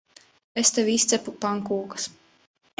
Es tev izcepu pankūkas.